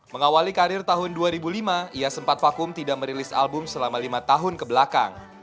mengawali karir tahun dua ribu lima ia sempat vakum tidak merilis album selama lima tahun kebelakang